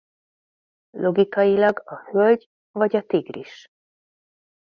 Logikailag A hölgy vagy a tigris?